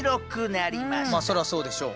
まあそりゃそうでしょう。